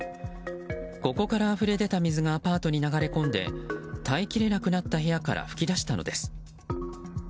ここからあふれ出た水がアパートに流れ込んで耐え切れなくなった部屋から噴き出したのです。